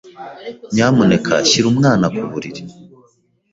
Nyamuneka shyira umwana ku buriri.